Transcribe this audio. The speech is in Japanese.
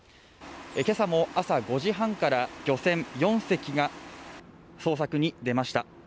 今朝も朝５時半から漁船４隻が捜索に出ました